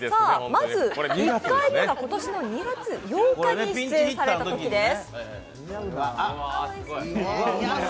まず１回目が今年２月８日に出演されたときです。